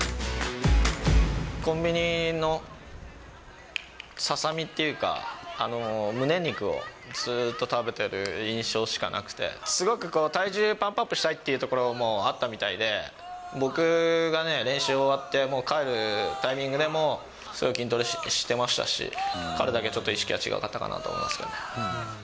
コンビニのささみっていうか、胸肉をずっと食べてる印象しかなくて、すごく体重をパンプアップしたいというところもあったみたいで、僕がね、練習終わって帰るタイミングでもすごい筋トレしてましたし、彼だけちょっと意識がちがかったかなと思いますけどね。